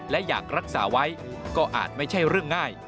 และอยากรักษาไว้ก็อาจไม่ใช่เรื่องง่าย